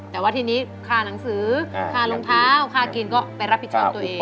แต่ว่าทีนี้ค่าหนังสือค่ารองเท้าค่ากินก็ไปรับผิดชอบตัวเอง